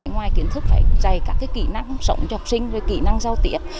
ngoài kiến thức phải dạy các kỹ năng sống cho học sinh kỹ năng giao tiếp